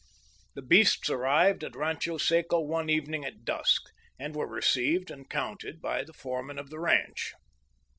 The beasts arrived at Rancho Seco one evening at dusk; and were received and counted by the foreman of the ranch.